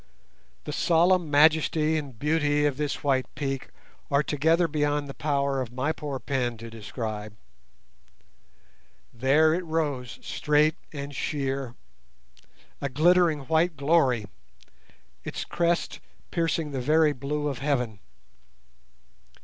The solemn majesty and beauty of this white peak are together beyond the power of my poor pen to describe. There it rose straight and sheer—a glittering white glory, its crest piercing the very blue of heaven.